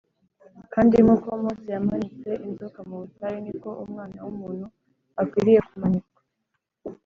“Kandi nk’uko Mose yamanitse inzoka mu butayu, ni ko Umwana w’umuntu akwiriye kumanikwa